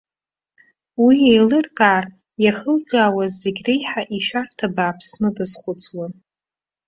Уи еилыркаар иахылҿиаауаз зегь реиҳа ишәарҭа бааԥсны дазхәыцуан.